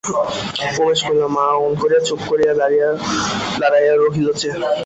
উমেশ কহিল, মা, অমন করিয়া চুপ করিয়া দাঁড়াইয়া রহিলে যে!